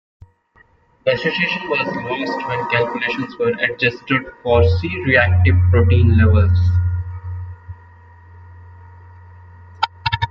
The association was lost when calculations were adjusted for C-reactive protein levels.